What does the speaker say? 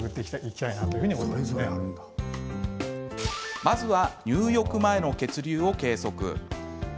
まずは入浴前の血流を計測。